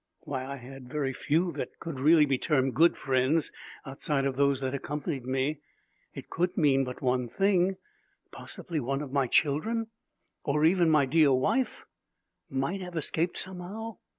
Why, I had very few that could really be termed good friends outside of those that accompanied me. It could mean but one thing. Possibly one of my children or even my dear wife might have escaped somehow.